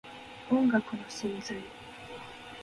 音楽の真髄